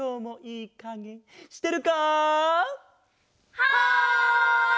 はい！